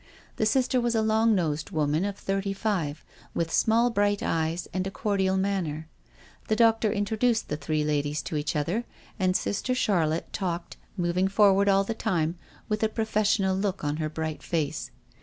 The Sister was a long nosed woman of thirty five, with bright eyes and a singularly nice manner. The doctor introduced the three ladies to each other, and Sister Charlotte talked, mov ing forward all the time with a professional look on her bright face.